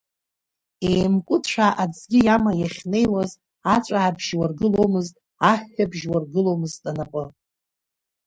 Еимкәыцәаа аӡӷьы иама иахьнеиуаз, аҵәаабжь уаргыломызт, аҳәҳәабжь уаргыломызт анапы.